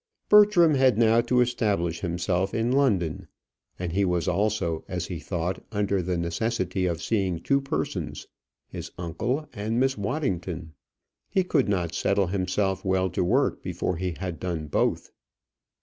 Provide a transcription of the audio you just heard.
Bertram had now to establish himself in London; and he was also, as he thought, under the necessity of seeing two persons, his uncle and Miss Waddington. He could not settle himself well to work before he had done both.